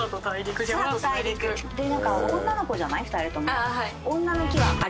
女の子じゃない２人とも。